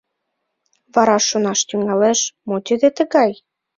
Вара шонаш тӱҥалеш: «Мо тиде тыгай?